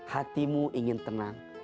hatimu ingin tenang